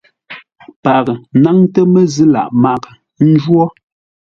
Paghʼə náŋtə́ məzʉ̂ lâʼ maghʼə njwó: